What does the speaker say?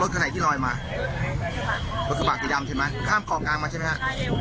กระบะกี่ดำใช่ไหมข้ามข่อกลางมาใช่ไหมฮะ